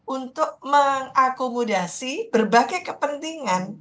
untuk mengakomodasi berbagai kepentingan